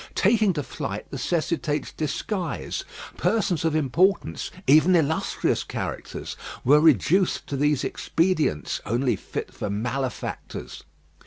Taking to flight necessitates disguise. Persons of importance even illustrious characters were reduced to these expedients, only fit for malefactors.